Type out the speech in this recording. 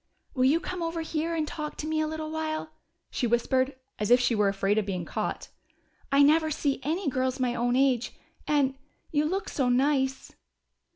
"Will you come over here and talk to me a little while?" she whispered, as if she were afraid of being caught. "I never see any girls my own age and you look so nice!"